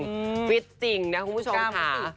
ชีวิตจริงนะคุณผู้ชมค่ะ